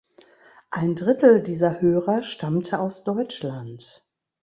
Ein Drittel dieser Hörer stammte aus Deutschland.